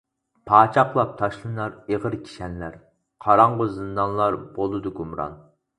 پاچاقلاپ تاشلىنار ئېغىر كىشەنلەر، قاراڭغۇ زىندانلار بولىدۇ گۇمران.